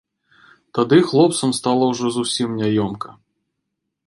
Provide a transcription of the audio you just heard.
Тады хлопцам стала ўжо зусім няёмка.